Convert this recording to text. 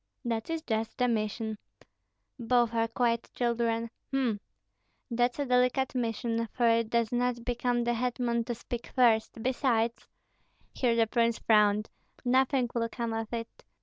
"That is just the mission." "Both are quite children. H'm! that's a delicate mission, for it does not become the hetman to speak first. Besides " Here the prince frowned. "Nothing will come of it.